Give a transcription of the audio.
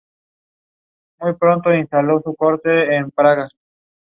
Nobody was injured when the sinkhole appeared.